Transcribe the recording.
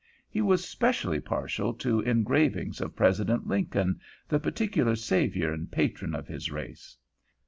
He was specially partial to engravings of President Lincoln, the particular savior and patron of his race.